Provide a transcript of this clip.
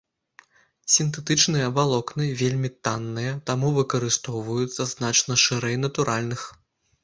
Сінтэтычныя валокны вельмі танныя, таму выкарыстоўваюцца значна шырэй натуральных.